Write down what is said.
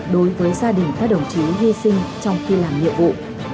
đối với gia đình các đồng chí hy sinh trong khi làm nhiệm vụ